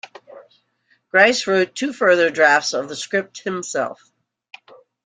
Gries wrote two further drafts of the script himself.